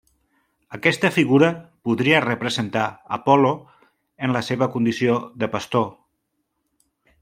Aquesta figura podria representar Apol·lo en la seva condició de pastor.